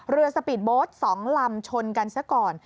เรือสปีดโบ๊ท๒ลำชนกันซะก่อน